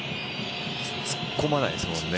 突っ込まないですもんね。